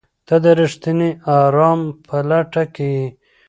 ته د رښتیني ارام په لټه کې یې؟